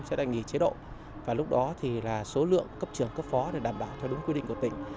sẽ đành nghỉ chế độ lúc đó số lượng cấp trưởng cấp phó đảm bảo theo đúng quy định của tỉnh